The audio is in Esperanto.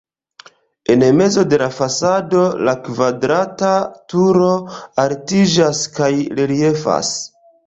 En mezo de la fasado la kvadrata turo altiĝas kaj reliefas.